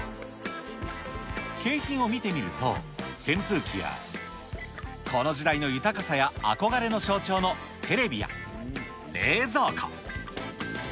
景品を見てみると、扇風機や、この時代の豊かさや憧れの象徴のテレビや、冷蔵庫。